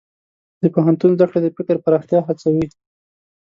د پوهنتون زده کړه د فکر پراختیا هڅوي.